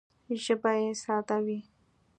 ژبه یې ساده وي